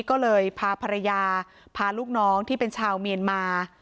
ก็เลยพาภรรยาพาลูกน้องที่เป็นชาวเมียนมา